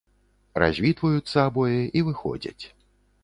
Развітваюцца абое і выходзяць.